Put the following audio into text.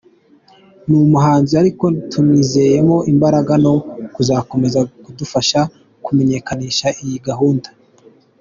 Ni umuhanzi ariko tumwizeyemo imbaraga no kuzakomeza kudufasha kumenyekanisha iyi gahunda.